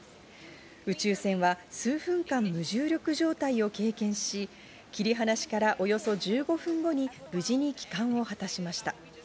宇宙船は数分間、無重力状態を経験し、切り離しからおよそ１５分後に無事に帰還を果たしました。